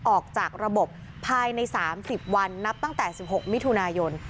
ออกจากระบบภายใน๓๐วันนับตั้งแต่๑๖มิถุนายน